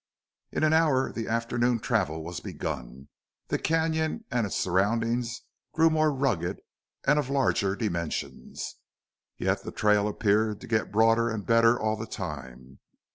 In an hour the afternoon travel was begun. The canon and its surroundings grew more rugged and of larger dimensions. Yet the trail appeared to get broader and better all the time.